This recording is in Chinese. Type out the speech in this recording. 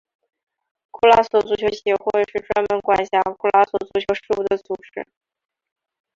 库拉索足球协会是专门管辖库拉索足球事务的组织。